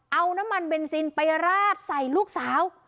เอาน้ำมันเบนซินไปราดใส่ลูกสาว